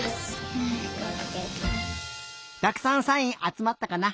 たくさんサインあつまったかな？